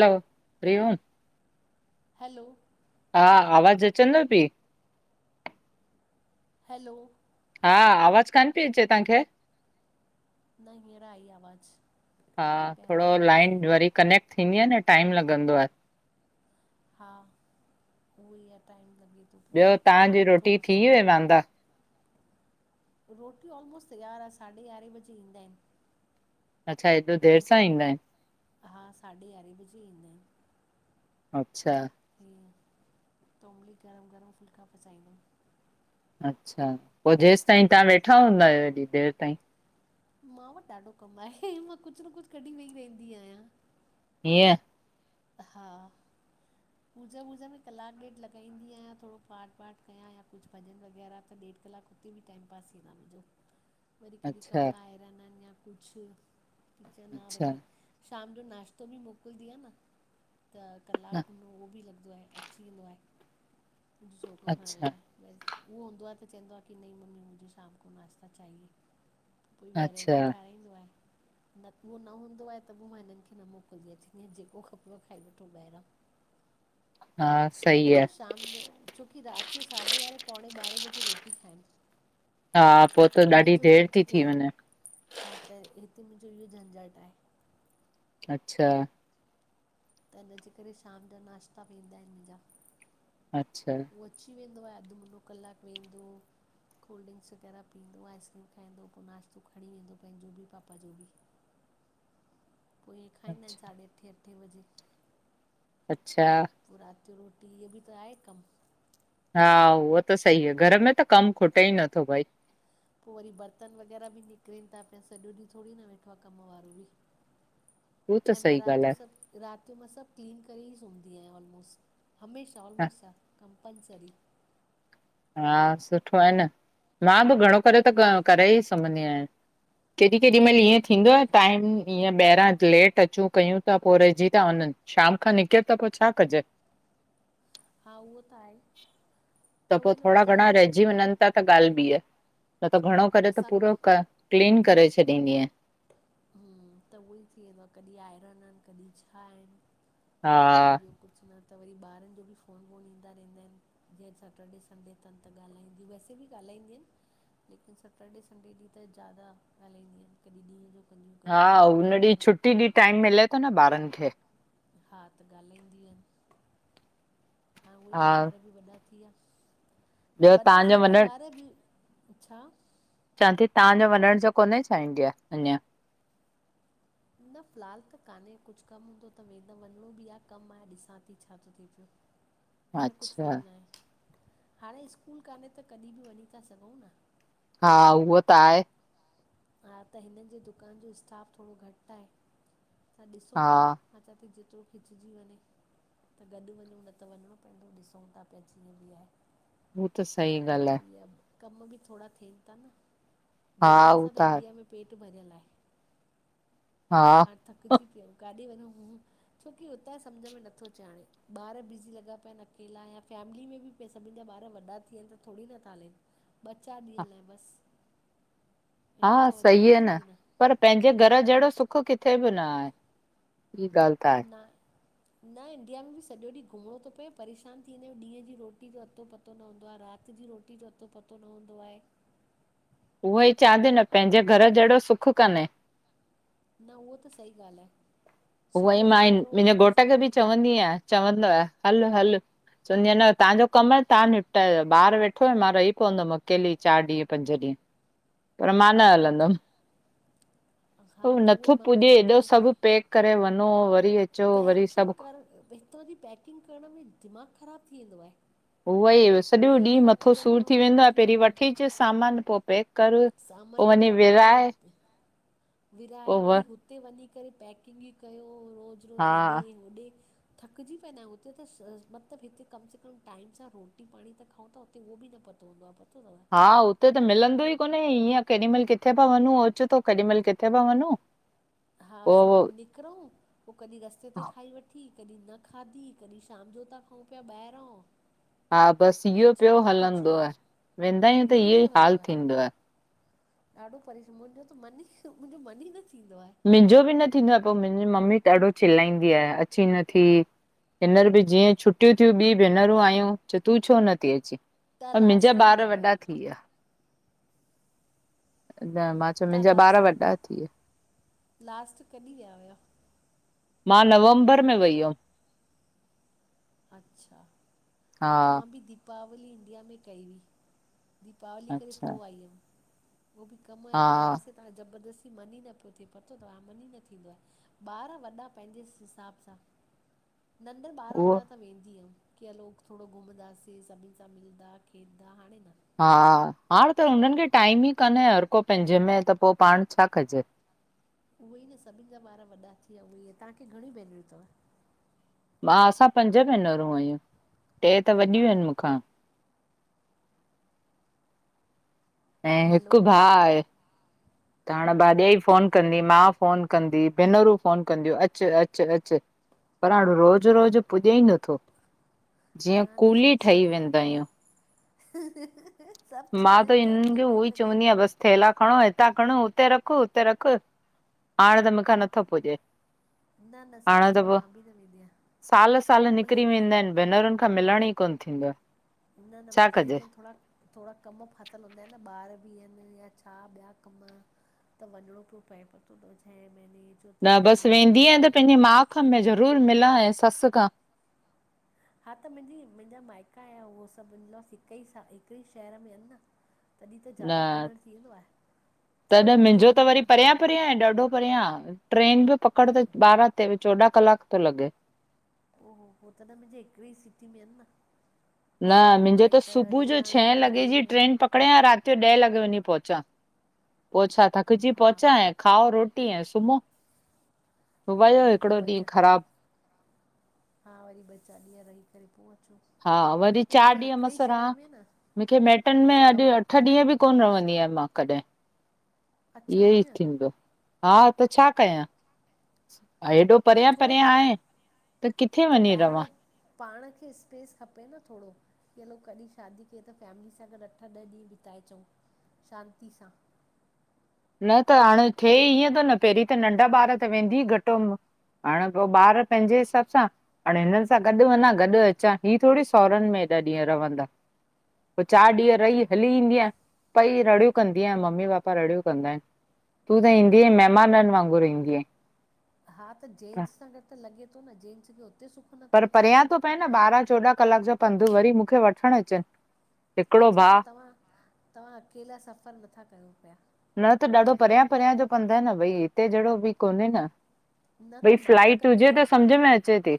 हलो हरीओम। हलो हा आवाज़ अचनव पइ? हलो हा आवाज़ कान पइ अचे तव्हांखे? न हिअर आई आवाज़। हा थोरो लाइन वरी कनेक्ट थींदी आह न टाइम लॻंदो आहे। हा उहो ई आह टाइम लॻे थो पियो हिकु ह थोॾे से [unintelligible] वान्दा। रोटी ऑलमोस्ट तयार आह, साढे यारहें बजे ईंदा आहिन। अच्छा हेॾो देरसां ईंदा आहिन। हा साढे यारहें बजे ईंदा आहिन। अच्छा। ईअं [unintelligible] गरम गरम फुल्का पचआईंदमि। अच्छा, पोइ जेस ताईं तव्हां वेठा हूंदा आयो हेॾी देर ताईं। मां वटि ॾाढो कमु आहे, मां कुझ न कुझ कॾि वेई रहदी आहियां। हीअं। हा। [inaudible] पूजा वूजा में कलाक ॾेढ लॻाईंदी आहियां थोरो पाट वाट कयां या कुझु भॼन वग़ैरह त ॾेढु कलाक हुते बी टाइम पास थीन्दो आ मुंहिंजो। [inaudible] वरी कॾहिं अच्छा कपिड़ा आइरन आहिनि या कुझु किचन आह अच्छा वरी शाम जो नाश्तो बि मोकिलदी आह न। त कलाकु उहो बि लॻंदो आहे अची वेंदो आहे मुंहिंजो छोकिरो खणण अच्छा लाइ। उहो हूंदो आह त चवंदो आहे की नही मम्मी मुझे शाम को नाश्ता चाहिए। कोई अच्छा वैराइटी ठारहिरींदो आहे। न उहो न हूंदो आहे त पोइ मां हिननि खे न मोकिलंदी अचंदी आहियां जेको खपे उहो खाई वठो ॿाहिरां हा सही लॻे आहे। थो शाम जो छोकी राति जो साढे यारहें पौणे ॿारहें बजे रोटी खाइनि। हा पोइ ऐं त ॾींहं ॾाढी जो देरि लंच ती थी थियल वञे। हा त हिते मुंहिंजो इ झंझट आहे। अच्छा। त हिनजे करे शाम जा नाश्ता बि ईंदा आहिन मुहंजा। अच्छा। हु अची वेंदो आहे अधु मुनो कलाकु वेंदो कोल्ड ड्रिंक्स वग़ैरह पीअंदो आइस्क्रीम खाईंदो पोइ नाश्तो खणी वेंदो पंहिंजो बि पापा जो बि [inaudible] पोइ इअं खाईंदा आहिनि अच्छा साढे अठे, अठे बजे। अच्छा पोइ राति जो रोटी इह बि त आहे कमु हा उहो त सही आहे घर में त कम खुटे ई नथो भई पोइ वरी बर्तन वग़ैरह बि निकिरनि था पिया सॼो ॾींहुं थोरी न वेठो आहे कमु वारो बि [inaudible] हू त ऐं मां सही रात ॻाल्हि जो सभु राति जो मां सभु क्लीन करे ई सुमंदी आहियां ऑलमोस्ट हमेशाह आहे। हमेशाह कंपलसरी हा सुठो आहे न मां बि घणो करे त करे ई सुम्हंदी आहियां केॾी केॾी मुंहिंजो महिल कोई ईअं थींदो आहे टाइम ईअं ॿाहिरां लेट अचूं कयूं था पोइ रहिजी था वञनि शाम खां निकिरे त पोइ छा कजे हा उहो त आहे त पोइ उहे न थोरा मुंहिंजा घणा इहे रहिजी वञनि त त ॻाल्हि बि आहे न त घणो करे त असां पूरो क क्लीन करे छॾींदीअहियां हूं त उहो ई थी वेंदो आहे कॾहिं आइरन आहिनि कॾहिं छा आहिनि कमु हा ॿियो कुझु न त वरी ॿारनि जो बि फोन वोन ईंदा रहंदा आहिनि जीअंज सैटरडे संडे अथनि त ॻाल्हाईंदी वैसे बि ॻाल्हाईंदिय आहिनि लेकिन सैटरडे संडे ॾींहुं त ज्यादा ॻाल्हाईंदियूं आहिनि कॾहिं ॾींहं जो कंदिय हुूं कॾहिं बार बार कंदियूं ट्टी ॾींहुं टाइम मिले थो न ॿारनि खे हा त ॻाल्हाईंदीयूं आहिनि हा उअई न ॿार बि वॾा थी विया ॿियो वॾा तव्हांजो थियनि ता वञणु ॿार बि छा? चवां थी तव्हांजो वञण जो कोन्हे छा इंडिया हिञर न फ़िलहालु त कान्हे कुझु कमु हूंदो त वेंद वञिणो बि आहे कमु मां ॾिसां थी छा थो थि पियो [inaudible] अञा कुझु फुल अच्छा न आहे हाणे स्कूल कान्हे त कॾहिं बि वञी था सघूं न हा उहो त आहे हा त हिननि जे दुकान जो स्टाफ थोरो घटि आहे त ॾिसूं हा। था अ चा थी जेतिरो खिचजी वञे त गॾु वञूं न त वञिणो पवंदो ॾिसूं था पिया जीअं बि आहे हू त सही त ॻाल्हि उहो आहे, इ आए कम बि थोरा थियनि था न हा घुमण सां हू त आहे, ं में पेट भरियलु आहे हा हाणे थकिजी पियाऊं काॾे वञूं घूमूं छोकी हुतां सम्झ में नथो अचे हाणे ॿार बिज़ी लॻा पिया आहिनि अकेला या फैमिली में बि पे सभिनि जा ॿार वॾा थी वियानि त थोरी नथा हलनि ॿ चारि ॾींहंनि लाइ बसि इन हा खां वधीक सईी आहे न थोरी पर पंहिंजे घर जहिड़ो सुख किथे बि न आहे ई ॻाल्हि त आहे न इंडिया में बि सॼो ॾींहुं घुमणो थो पए परेशान थी वेंदा आहियूं ॾींहं जी रोटी जो अतो पतो पतो न हूंदो आहे राति जी रोटी जो अतो पतो न हूंदो आहे उहो ई चादी न पंहिंजे घर जहिड़ो सुखु कान्हे न उहो त सही ॻाल्हि आहे उहो ई सुबुह जो मां हीन निकिरूं मुंहिंजे कम घोट सां खे बि चवंदी आहियां चवंदो आहि हल हल चंवदियां न तव्हांजो कम आहे तव्हांनिपटायो ॿार वेठोयो मां रही पवंदमि अकेली चारि ॾींह पंज ॾींह पर मां हा न उहो त हलंदम, आहे उ हा त उहो ई नथो मां पुॾे ख़ुदि हेॾो परे सभ पैक करे वञो वरी अ पैकिंग कर, हितां जी पैकिंग करण में दिमाग खराब थी वेंदो आहे। उहो ई सॼो हे ॾींह वठी मथो वञिणो सूर थी हुन लाइ वेंदो आहे पहिरीं वठी अचस सामान पो पैक कर पोइ समान वञी इक्कठा कयो विराए वराहे पोइ व वरी हु ते वञी करे पैकिंगीयू कयो रोज हा रोज हेॾे होॾे। थकजी पेंदा आयूं हुते त मतलब हिते कम से कम टाइम सां रोटी पाणी त खाऊं था हुते उह बि न पतो हुंदो आ पतो तव। हा हुते त मिलंदो ई कोने ईअं केॾीमल किथे पा वञूं अचेतो केॾीमल किथे पा वञूं [inaudible] हा पोइ सुबह निकरूं पो कॾी रस्ते ते खाई वठी कॾी न खाधी कॾी शाम जो ता खाऊं प्या ॿाहिरौं हा बस इहो प्यो हलंदो न आ, वेंदा आयूं त इहो पियो ई हलंदो हाल आहे थींदो आ। ॾाढो परेश्रम मुंजो त मन ई मुंजो मन ई न थींदो आहे। मुंहिंजो बि न थींदो आ पो मुंहिंजी मम्मी ॾाढो चिलाईंदी आहे अची नथी हींनर बि जीअं छुटियूं थियूं ॿी भेनरूं आयूं त तूं छो नथी अचे। तव्हां पर मुंहिंजा लास्ट कॾहिं ॿार विया वॾा हुया थी व्या। न मां चो तव्हां मुंहिंजा ॿार लास्ट वॾा थीया लास्ट कॾी व्या हुआ? मां नवंबर में वई हुअम। अच्छा हा त मां बि दीपावली इंडिया में कई हुई। दीपावली करे पो अच्छा आई हुयम उह बि कम आया हा त वयासि ताहां ज़बरदस्ती मन ई न प्यो थे पतो तव हा मन ई न थींदो आ। ॿार वॾा पैंजे हिसाब सां, नंढा ॿार उहो हूंदा हा त वेंदी हम की हलो थोड़ो घुमदासीं, सभिन सां मिलदा खेॾदा, हाणे न। हा, हाणे त हुनन खे टाइम ई काने हर को पैंजे में त पो पाण छा कजे। उहे ई न सभिन जा ॿार वॾा थी व्या उहे ई आ ताहांखे घणी भेनरूं तव? मां असां पंज भेनरूं आयूं, टे त ऐं वॾियूं भाउ आहिन मूंखां। ऐं हिक हैलो भा आहे, त हाणे भाॾाई अच्छा फोन कंदी मां फोन कंदी भेनरूं, फोन कंदियूं, अच अच अच पर हाणे रोज़ रोज रोज पुॼ ई नथो जीअं कूली ठही वेंदा आयूं। सभ चैन पकिंग [unintelligible] थेला खणो हितां खणो हुते रख उते रख हाणे त मूंखां नथो पुॾे। न न हाणे सची त में पो, मां बि न वेंदी आहियां साल साल निकरी वेंदा लेकिन आहिन भेनरुन खां मिलण ई कोन थींदो आ। न न छा मुखे कजे? लेकिन थोड़ा थोड़ा कम फाथल हूंदा इन न ॿार ॿि ऐन या छा ब्या कम त वंञणो प्यो पए पतो तव छहे महिने न ॿस वेंदी आयां त पैंॼे मां खां ज़रूर मिलां ऐं सस खां। हा त मुंजी मुंजा मायका ऐं उहो सभ इनलॉज हिक ई सां हिक ई शहर में इन न। जादा पिनड़ थी वेंदो आहे। त तॾै मिंॼो उते न त वञ वरी परयां परयां ऐं ॾाढो परयां ट्रेन ॿि पकड़ न त ॿारहा ते ॿि चोॾांह कलाक तो लॻे। ओ हो हो त न मुंॼे हिकड़े ई सिटी में इन न। न सभु मिंॼो त माइट सुबु जो छह ॾेराणियूं लॻे ॼी भेण ट्रेन पकड़ियां रात ॼो ॾहें लॻे वंञी पहुचां। पो छा थकॼी हा पोहुचां, ऐं खाओ रोटी ऐं सुमो। हा वयो वरी पोइ हिकिड़ो ॿ ॾींहुं च ख़राबु। हा! वरी ॿ चारि ॾींहुं रही करे पो अचू। हा, वरी चारि ॾींहु मस्सि रहां न मिखे मैइटन उहो में चवंदा हो अॼु अठ ॾींहु ॿि कोन रवंदी अयां मां कॾिहिं, अच्छा इहे ई हीअं थींदो। हा! त छा कयां? हा, हेॾो न परियां थोरो परियां आहे। त किथे वंञीं रवां? पाणु खे स्पेस खपे न थोड़ो। कि हलो! कॾी शादी कई या त फैमिली सां गॾु अठ ॾह ॾींहुं ॿिताए अचऊं, शांति सां। न त हाण थिए ईऐं तो न, पहिरीं त नंढा ॿारु त वेंदी घटि हम हांण पो ॿारु पंहिंॼे हिसाॿ सां हांण हिननि सां गॾु वंञां गॾु अचां, ही थोड़ी साहुरनि में ऐॾा ॾींहुं रवंदा। पो चारि ॾींहु न रही, हली ईंदीयां पई रड़ियूं कंदी आहियाँ मम्मी पापा रड़ियूं कंदा अनि, तूं त ईंदी अंई महिमाननि वांङुरु ईंदी अंई। हा त, ॼेंन्स सां गॾु त लॻे तो न, ॼेंन्स खे उते सुख नथो अचे पियो। ॿारहां चोॾहां कलाकु ॼा पंधु वरी मुखे वठणु अचनि हिकिड़ो अच्छा त भाउ तवां, तवां अकेला सफ़र नथा कयो पिया न त ॾाढो परियां-परियां ॼो पंधु आए न भई हिते ॼहिड़ो ॿि कोने न न भई त मां फ्लाइट कंदी हुॼे त, सम्झ में अचे ती।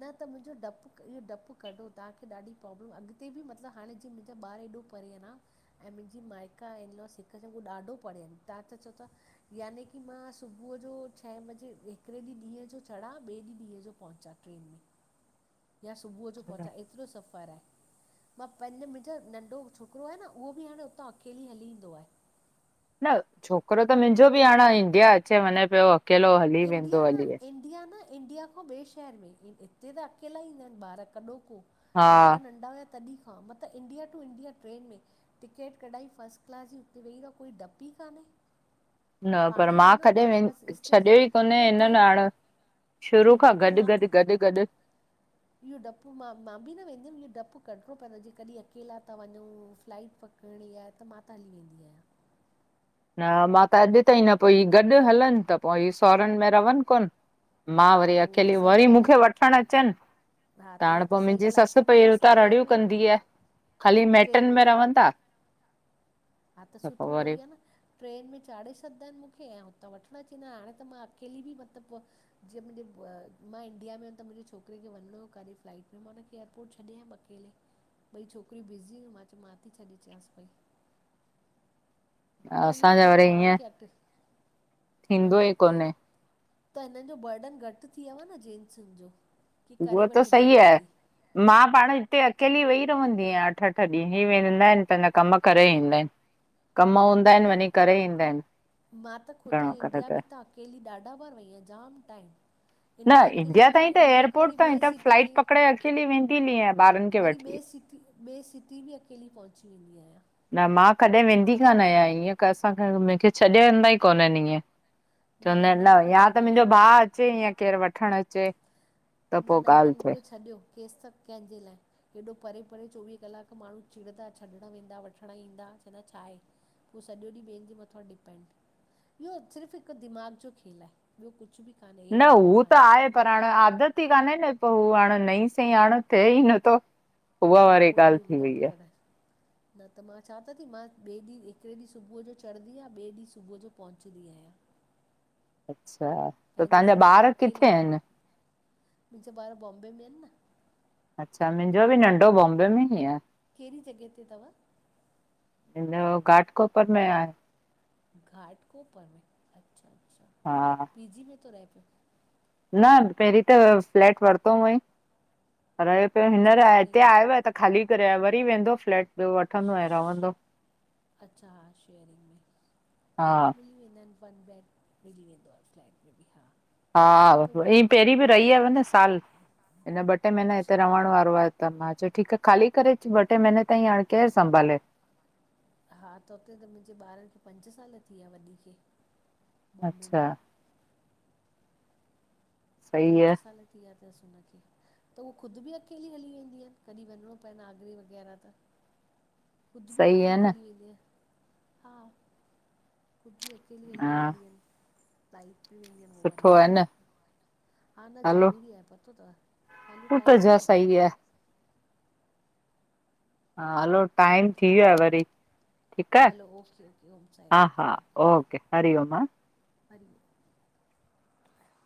न त मिंॼो डपु इहो डपु कढो। तहांखे ॾाढी प्रॉब्लम अॻिते ॿि मतिलॿु हांणें ॼींअं मिंजा ॿारु ऐॾो परे आ ना ऐं मिंॼी माइका इनलॉस हिकु ॼो हू ॾाढो परे अनि। तां त चओ ता याने की मां सुबुअ ॼो छहें ॿॼे हिकिड़े ॾींहुं ॾींहुं जो चड़ा, ॿिए ॾींहुं ॾींहं ॼो पहुचा। ट्रेन में, या सुबुअ ॼो पहुचां एतिरो सफ़रु आए। मां पंॼ मिंॼो नंढो छोकिरो आह न, उहो ॿि हांण उतां अकेली हली ईंदो आह। न छोकिरो त मिंॼो ॿि हांण इंडिया अचे वंञें पियो अकेलो हली वेंदो। हली वें [unintelligible] याने, इंडिया न इंडिया खां ॿिए शहर में हिते त अकेला ईंदा अनि ॿारु कॾो को। हा ॾाढा नंढा हुया तॾी खां। मत इंडिया टू इंडिया ट्रेन में टिकेट कढाई फर्स्ट क्लास ॼी हुते वेई रवो कोई ॾपु ई काने। न पर मां कॾहिं वें बसि स्टेश छॾियो ई उन न ताईं हिननि हाण शुरू इहो खां डपु गॾु, मां त -गॾु गॾु -गॾु इहो ॾपु मां मां ॿि न वेंदीमि, इहो ॾपु कढिणों पइंदो आ। ॼींअं कॾी अकेला ता वंञूं फ्लाइट फक करिणी आए, त मां त हली वेंदी अयां। न मां त अॼु ताईं, न पो ही गॾु हलनि त पो ही साहुरनि में रवनि कोन। मां हा वरी त उहो त अकेली, सही वरी ॻाल्हि आहे मूंखे न वठणु अचनि। हा त हाण इहा पो, सही मिंॼी ॻाल्हि आहे ससु असांखे पई बसि हुतां ट्रेन रड़ियूं में कंदी आह, ख़ाली मैटन में रवंदा। हा त सुठो, उहो ई आ न ट्रेन में चाढ़े छॾंदा अनि मूंखे ऐं हुतां वठणु अचवेंदा अनि। हाण त मां अकेली ॿि मतिलॿु ॼीअं मुंॼे मां इंडिया में हुयमि त मुंॼे छोकिरे खे वञिंणों हो काॾे, फ्लाइट मे मां हुनखे एयरपोर्ट छॾे आयमि। अकेले ॿई छोकिरीयूं ॿिॼी़ हुयूं, मां चयो मां ती छॾे चांसि पई। न इह्यो असांजा थोड़ो वरी पांणु ईअं खे एक्टिव न थींदो हिननि, ई कोन्हे त हिननि जो बर्डन घटि थी वियो आहे न जेें्सुनि जो ही, करे उहो त वठंदी सही आहे अकेली। मां पाणु हिते अकेली वेई रहंदी अयां अठ-अठ ॾींहु, ई वेंदा अनि पंहिंजा कमु करे ईंदा अनि। कमु हूंदा अनि न वंञी करे ईंदा अनि। घणो करे त केली ॾाढा बार वई अयां। जामि टाइम न इंडिया अकेली वई ताईं आहेयां त इंडिया खां एयरपोर्ट वरी ताईं ॿिए त सिटी फ्लाइट ते पकड़े अकेली वेंदी हली आहियां ॿारनि खे वरी वठी। ॿिए सिी ॿिए सिटी बि अकेली पहुची वेंदी आहियां न मां कॾहिं वेंदी कान आहियां ईअं क असांखे मूंखे छॾे वंदा ई कोन्हनि ईअं चवंदा आहिनि हिननि मूंखे न या त छॾियो मुंहिंजो भाउ अचे या केरु वठणु अचे त न पोइ न ॻाल्हि हिननि थिए। मूंखे छॾियो केसि त कंहिंजे लाइ हेॾो परे परे चोवीह कलाक माण्हू चिड़ंदा छॾणु वेंदा वठणु ईंदा चवंदा छा आहे हूहो सॼो ॾींहुं ॿियनि जे मथां डिपेंड इहो सिर्फ़ु हिकु दिमाग़ु जो खेलु आहे ॿियो कुझु बि कोान्हे न अहिड़ो भउ हू त कान्हे आहे पर हाणे आदत ई कान्हे न पोइ हू हाणे नई सईी हाणे थिए ई नथो उहा न वारी उहो ई उहो ॻाल्हि ई थी वई डपु आहे करणु न त मां छात थी मां ॿिए ॾींहुं हिकड़े ॾींहुं सुबुह जो चढ़ंदीयां ॿिए ॾींहुं सुबुह जो पहुचंदी आहियां अचछा त पंहिंजी तव्हांजा ॿार किथे आहिनि मुंहिंजे बारर बॉम्बे में आहिनि न अच्छा मुंहिंजो बि नंढो बॉम्बे में ई आहे कहिड़ी जॻह ते अथव हिन घाटकोपर में आहे घाटकपर में अच्छा अच्छा हा पी जी में थो रहे पियो न पहिरीं त फ्लैट वरितो हुअईं रयो पियो अच्छा हींअर शेयरिंग हिते में आयो आहे त ख़ाली करे वरी वेंदो फ्लैट वठंदो ऐं रहंदो अच्छा हा शेयरिंग में हा मिली वेंदा आहिनि वन बैेग मिली वेंदो आहे फ्लैट में बि हा हा त उहे न ईीअ मां- पहिरीं बि रही आहेय न साल हिन ॿ टे महीना अच्छा हिते रहण वारो आहे त मां चयो ठीकु आहे ख़ाली करे ॿ टे महीने ताईं हाणे केरु संभाले हा त उते त मुंहिंजे ॿारनि खे पंज साल थी विया वॾी खे बॉम्बे अच्छा में सही पंज आहे साल थी विया अथसि हुनखे त उहे ख़ुदि बि अकेली हली वेंदी आहिनि कॾहिं वञिणो पए न आगरी वग़ैरह त ख़ुदि बि सही आहे अकेली न हली वेंदी हा ख़ुदि बि अ अकेली हली हा वेंदीूं लाइट बि वेंदियूं आहिनि उहो वरी सुठो आहे न हा न ज़रूरी आहे पतो अथव हलो त त टाइम थी ज वियो सही आहे हा हलो टाइम ॾिठो। थी वियो आहे वरी ठीक आहे hello okay okay Om Sai हा राम हा ओके हरिओम हरी